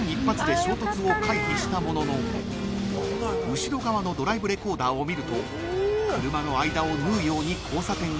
［後ろ側のドライブレコーダーを見ると車の間を縫うように交差点を通過］